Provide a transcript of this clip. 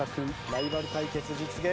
ライバル対決実現。